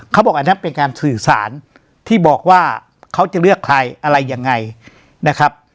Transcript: เขาบอกอันนั้นเป็นการสื่อสารที่บอกว่าเขาจะเลือกใครอะไรยังไงนะครับ